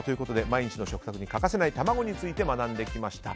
毎日の食卓に欠かせない卵について学んできました。